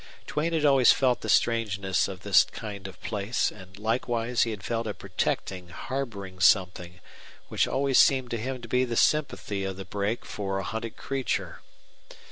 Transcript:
Duane had always felt the strangeness of this kind of place, and likewise he had felt a protecting, harboring something which always seemed to him to be the sympathy of the brake for a hunted creature.